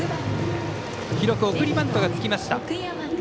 記録、送りバントがつきました。